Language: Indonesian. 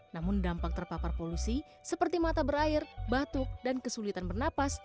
namun dampak terpapar polusi seperti mata berair batuk dan kesulitan bernapas